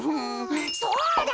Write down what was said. そうだ！